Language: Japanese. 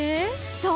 そう！